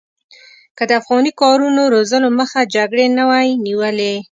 که د افغاني کادرونو روزلو مخه جګړې نه وی نیولې.